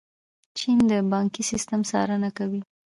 چین د بانکي سیسټم څارنه کوي.